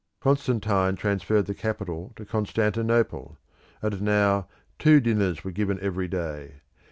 Constantine transferred the capital to Constantinople; and now two dinners were given every day.